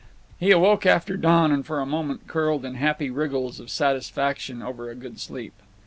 He awoke after dawn, and for a moment curled in happy wriggles of satisfaction over a good sleep.